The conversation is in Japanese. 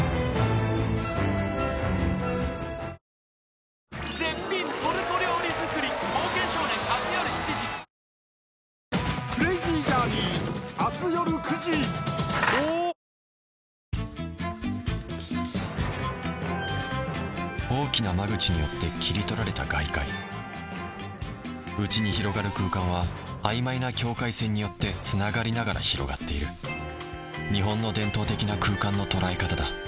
うおっ大きな間口によって切り取られた外界内に広がる空間は曖昧な境界線によってつながりながら広がっている日本の伝統的な空間の捉え方だ